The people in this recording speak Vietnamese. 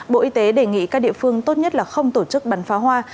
bộ y tế đề nghị các địa phương tốt nhất là không tổ chức bắn pháo hoa